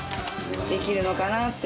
できるのかなって。